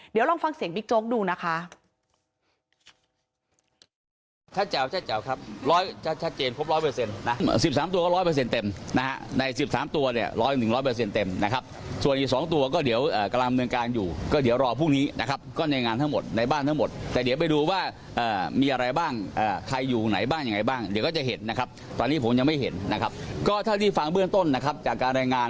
เดี๋ยวลองฟังเสียงบิ๊กโจ๊กดูนะคะ